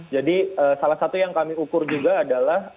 jadi salah satu yang kami ukur juga adalah